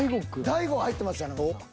大悟が入ってますやん。